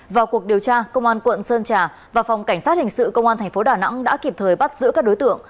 vào cuộc điều tra công an quận sơn trà và phòng cảnh sát hình sự công an tp đà nẵng đã kịp thời bắt giữ các đối tượng